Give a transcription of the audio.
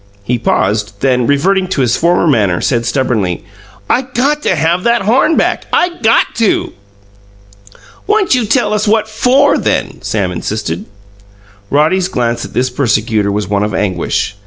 He paused; then, reverting to his former manner, said stubbornly, "I got to have that horn back. I GOT to!" "Why'n't you tell us what FOR, then?" Sam insisted. Roddy's glance at this persecutor was one of anguish.